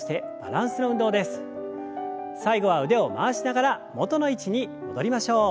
最後は腕を回しながら元の位置に戻りましょう。